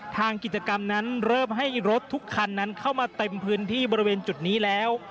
ทางกิจกรรมนั้นเริ่มให้รถทุกคันนั้นเข้ามาเต็มพื้นที่บริเวณจุดนี้แล้ว